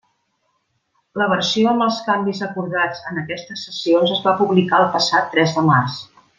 La versió amb els canvis acordats en aquestes sessions es va publicar el passat tres de març.